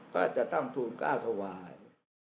ก็จะตั้งภูมิก้าทวาย